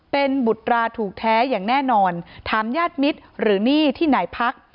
เป็นบุตราถูกแท้อย่างแน่นอนถามญาติมิตรหรือหนี้ที่ไหนพัก